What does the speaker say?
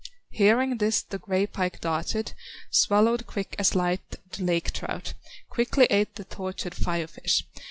Hearing this the gray pike darted, Swallowed quick as light the lake trout, Quickly ate the tortured Fire fish.